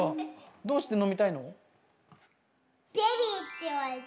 どうして飲みたいの？